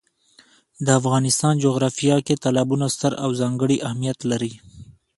د افغانستان جغرافیه کې تالابونه ستر او ځانګړی اهمیت لري.